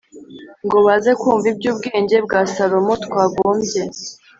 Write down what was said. Ngo baze kumva iby ubwenge bwa salomo twagombye